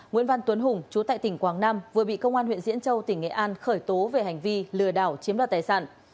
nguyễn văn tuấn hùng chú tại tỉnh quảng nam vừa bị công an huyện diễn châu tỉnh nghệ an khởi tố về hành vi lừa đảo chiếm đoạt tài sản